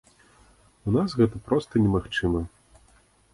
У нас гэта проста немагчыма.